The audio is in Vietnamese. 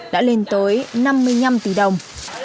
đã lên tới năm mươi năm tỷ đồng